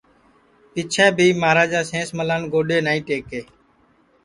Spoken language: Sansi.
پیچھیں بھی مہاراجا سینس ملان گوڈؔے نائی ٹئکے